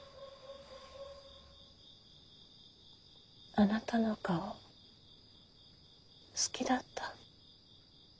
あなたの顔好きだった。